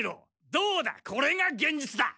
どうだこれが幻術だ！